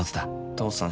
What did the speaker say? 父さん